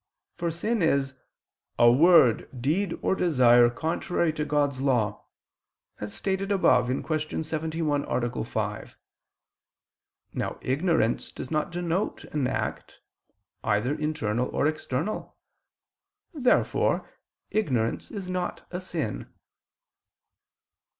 For sin is "a word, deed or desire contrary to God's law," as stated above (Q. 71, A. 5). Now ignorance does not denote an act, either internal or external. Therefore ignorance is not a sin.